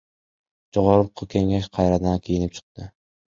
Жогорку Кеңеш кайрадан кийинип чыкты